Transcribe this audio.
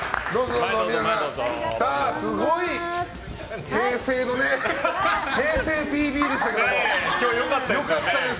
すごい平成ＴＶでしたけども良かったです。